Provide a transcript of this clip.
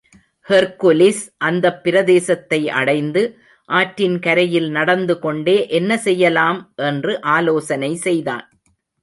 Hercules அந்தப் பிரதேசத்தை அடைந்து, ஆற்றின் கரையில் நடந்து கொண்டே, என்ன செய்யலாம்? என்று ஆலோசனை செய்தான்.